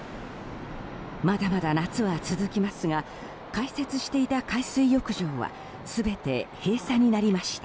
まだまだ夏は続きますが開設していた海水浴場は全て閉鎖になりました。